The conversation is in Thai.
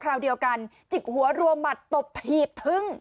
ราวเดียวกันจิกหัวรัวหมัดตบถีบทึ้ง